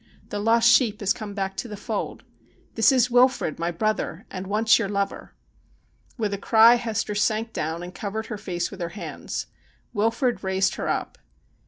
The lost sheep has come back to the fold. This is Wilfrid, my brother, and once your lover.' With a cry Hester sank down and covered her face with her hands. Wilfrid raised her up.